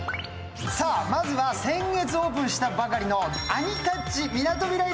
まずは先月オープンしたばかりのアニタッチみなとみらい